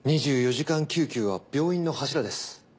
２４時間救急は病院の柱です。